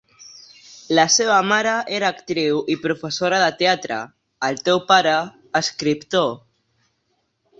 La seva mare era actriu i professora de teatre, el seu pare, escriptor.